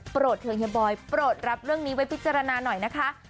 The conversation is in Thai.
เธอเฮียบอยโปรดรับเรื่องนี้ไว้พิจารณาหน่อยนะคะ